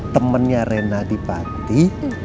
temennya rena di panti